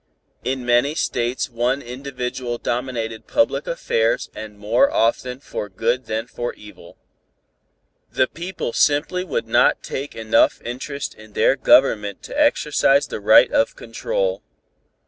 In many States one individual dominated public affairs and more often for good than for evil. The people simply would not take enough interest in their Government to exercise the right of control.